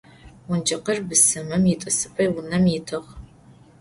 Онджэкъыр бысымым итӏысыпӏэ унэм итыгъ.